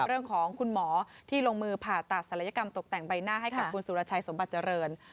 เรื่องของคุณหมอที่ลงมือผ่าตัดศัลยกรรมตกแต่งใบหน้าให้กับคุณสุรชัยสมบัติเจริญ